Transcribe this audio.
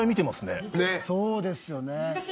そうですよね。